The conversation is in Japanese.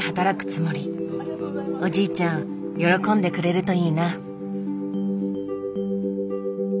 おじいちゃん喜んでくれるといいな。